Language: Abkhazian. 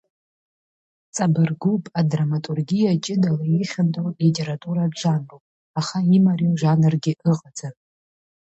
Ҵабыргуп, адраматургиа ҷыдала ихьанҭоу литературатә жанруп, аха имариоу жанргьы ыҟаӡам.